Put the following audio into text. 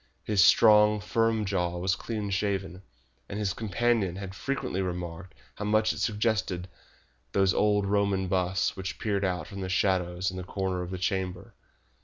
His strong, firm jaw was clean shaven, and his companion had frequently remarked how much it suggested those old Roman busts which peered out from the shadows in the corners of his chamber.